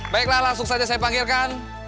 baiklah langsung saja saya panggilkan